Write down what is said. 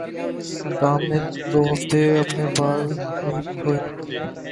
Tom نے دو ہفتوں سے اپنے بال نہیں دھوئے